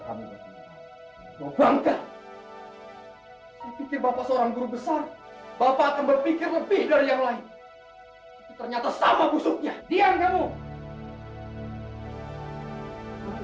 kau memanggil sersanmail kemarin untuk menangkap saya kan